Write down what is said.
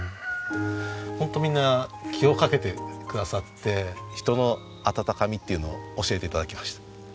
ホントみんな気をかけてくださって人の温かみっていうのを教えて頂きました。